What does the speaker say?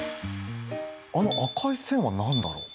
あの赤い線は何だろう？